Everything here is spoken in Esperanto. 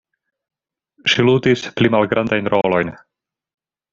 Ŝi ludis pli malgrandajn rolojn.